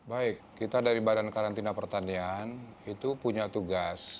baik kita dari badan karantina pertanian itu punya tugas